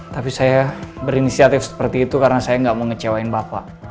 tapi saya berinisiatif seperti itu karena saya nggak mau ngecewain bapak